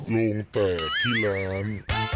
โรงแตดที่ร้าน